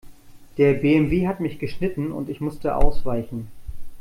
Der BMW hat mich geschnitten und ich musste ausweichen.